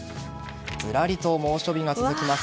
ずらりと猛暑日が続きます。